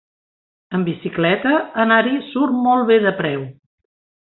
Amb bicicleta, anar-hi surt molt bé de preu.